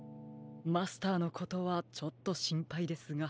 マスターのことはちょっとしんぱいですが。